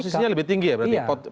posisinya lebih tinggi ya berarti